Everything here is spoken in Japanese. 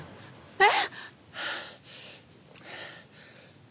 えっ？